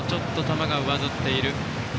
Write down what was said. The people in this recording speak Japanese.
球が上ずっている。